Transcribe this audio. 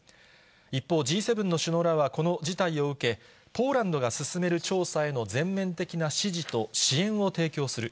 一方、Ｇ７の首脳らはこの事態を受け、ポーランドが進める調査への全面的な支持と支援を提供する。